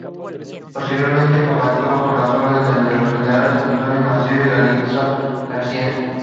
Posteriormente, combatió bajo las órdenes de los Generales Antonio Maceo y Calixto García.